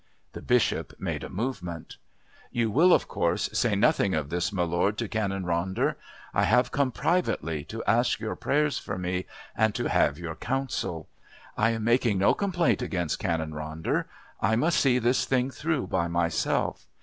The Bishop made a movement. "You will, of course, say nothing of this, my lord, to Canon Ronder. I have come privately to ask your prayers for me and to have your counsel. I am making no complaint against Canon Ronder. I must see this thing through by myself.